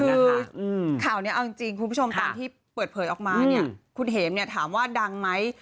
ข่าวนี้เอาจริงคุณผู้ชมตอนที่เปิดเผยออกมาเนี่ยคุณเห็มเนี่ยถามว่าดังไหม